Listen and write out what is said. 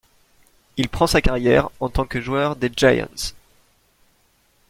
Il prend sa carrière en tant que joueur des Giants.